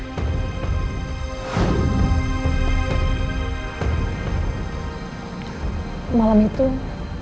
malam setelah pernikahan kamu dan andien